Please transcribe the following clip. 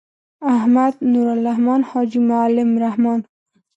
احمدی.نوالرحمن.حاجی معلم الرحمن